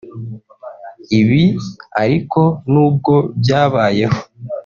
Ibi ariko n’ubwo byabayeho